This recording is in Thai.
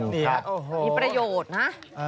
มีประโยชน์นะ